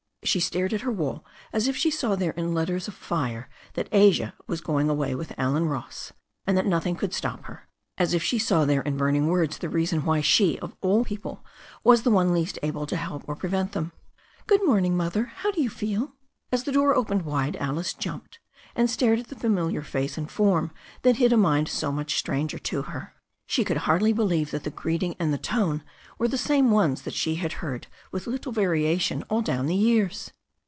She stared at her wall as if she saw there in letters of fire that Asia was going away with Allen Ross, and that nothing could stop her, as if she saw there in burning words the reason why she, of all people, was the one least able to help or prevent them. "Good morning. Mother; how do you feel?" As the door opened wide Alice jumped, and stared at the familiar face and form that hid a mind so much a stranger to her. She could hardly believe thai tVi^ ^it^\!vci"^ ^\A ^^ 343 344 THE STORY OF A NEW ZEALAND RIVER tone were the same ones that she had heard with little varia tion all down the years.